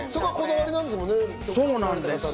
そこがこだわりなんですもんね。